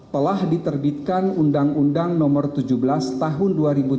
telah diterbitkan undang undang nomor tujuh belas tahun dua ribu tujuh belas